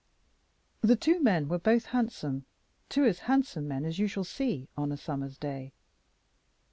The two men were both handsome, two as handsome men as you shall see on a summer's day.